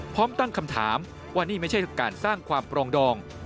พร้อมตั้งคำถามว่านี่ไม่ใช่การสร้างความปรองดอง